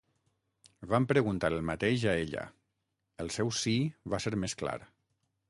Van preguntar el mateix a ella, el seu sí va ser més clar.